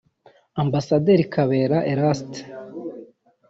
Ambasaderi Kabera Eraste